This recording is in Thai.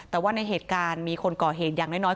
แต่ว่าในเหตุการณ์มีคนก่อเหตุอย่างน้อย